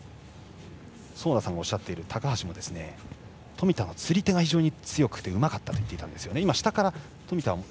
園田さんがおっしゃっている高橋も、冨田の釣り手が非常に強くてうまかったと言っていたんですね。